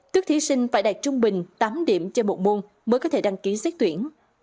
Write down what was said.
tức thí sinh phải đạt trung bình tám điểm cho một môn mới có thể đăng ký xét tuyển